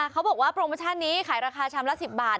เขาบอกว่าโปรโมชั่นนี้ขายราคาชามละ๑๐บาท